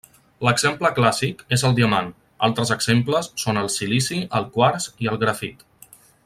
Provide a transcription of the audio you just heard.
L'exemple clàssic és el diamant, altres exemples són el silici, el quars i el grafit.